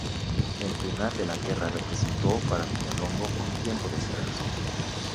El final de la guerra representó para Villalonga un tiempo de silencio.